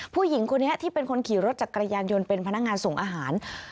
ผู้หญิงคนนี้ที่เป็นคนขี่รถจักรยานยนต์เป็นพนักงานส่งอาหาร